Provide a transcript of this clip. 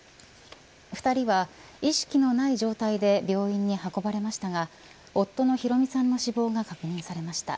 ２人は意識のない状態で病院に運ばれましたが夫の博美さんの死亡が確認されました。